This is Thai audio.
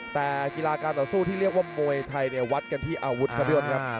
แต่กีฬาการต่อสู้ที่เรียกว่ามวยไทยเนี่ยวัดกันที่อาวุธกระเดือดครับ